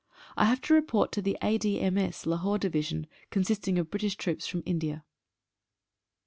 I have to report to the A.D.M.S., Lahore Division, consisting of British troops from India.